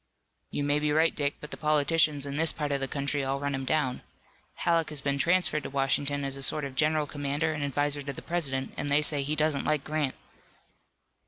"You may be right, Dick, but the politicians in this part of the country all run him down. Halleck has been transferred to Washington as a sort of general commander and adviser to the President, and they say he doesn't like Grant."